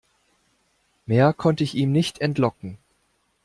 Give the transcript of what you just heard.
Mehr konnte ich ihm nicht entlocken.